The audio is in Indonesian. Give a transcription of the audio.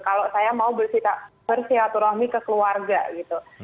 kalau saya mau bersilaturahmi ke keluarga gitu